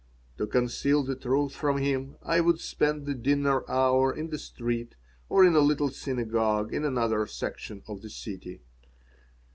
To conceal the truth from him I would spend the dinner hour in the street or in a little synagogue in another section of the city.